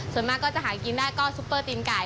ส่วนมากก็จะหากินได้ก็ซุปเปอร์ตีนไก่